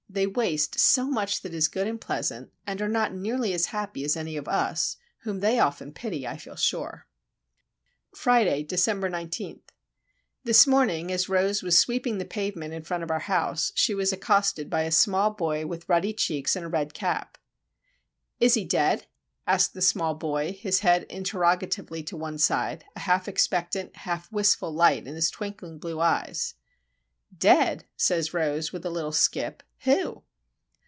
They waste so much that is good and pleasant, and are not nearly as happy as any of us, whom they often pity, I feel sure. Friday, December 19. This morning, as Rose was sweeping the pavement in front of our house, she was accosted by a small boy with ruddy cheeks and a red cap. "Is he dead?" asked the small boy, his head interrogatively to one side, a half expectant, half wistful light in his twinkling blue eyes. "Dead?" says Rose, with a little skip. "Who?"